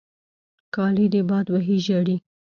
کالې دې باد وهي ژړې.